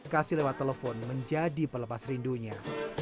kasih lewat telepon menjadi pelepas rindunya